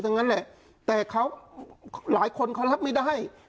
อย่างนั้นแหละแต่เขาหลายคนเขารับไม่ได้